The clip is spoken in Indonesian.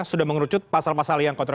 sudah mengerucut pasal pasal yang kontra